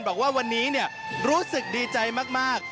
บอกว่าวันนี้รู้สึกดีใจมาก